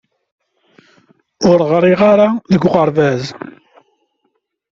Ur ɣriɣ ara deg uɣerbaz.